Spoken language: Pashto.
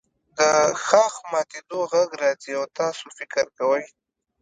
د ښاخ ماتیدو غږ راځي او تاسو فکر کوئ